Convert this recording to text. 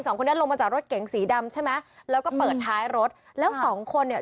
สองคนนี้ลงมาจากรถเก๋งสีดำใช่ไหมแล้วก็เปิดท้ายรถแล้วสองคนเนี่ย